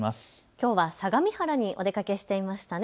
きょうは相模原にお出かけしていましたね。